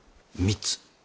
３つ。